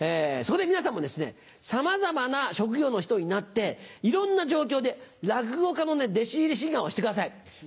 そこで皆さんもさまざまな職業の人になっていろんな状況で落語家の弟子入り志願をしてください。